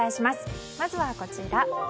まずは、こちら。